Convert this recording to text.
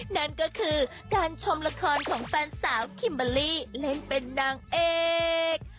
นั่นก็คือการชมละครของแฟนสาวคิมเบอร์ลี่เล่นเป็นนางเอก